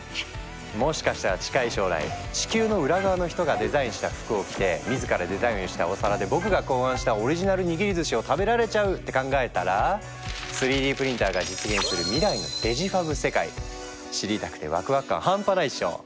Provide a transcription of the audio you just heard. もしかしたら近い将来地球の裏側の人がデザインした服を着て自らデザインをしたお皿で僕が考案したオリジナルにぎりずしを食べられちゃうって考えたら３Ｄプリンターが実現する未来のデジファブ世界知りたくてワクワク感半端ないっしょ！